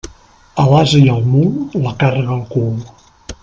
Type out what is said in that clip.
A l'ase i al mul, la càrrega al cul.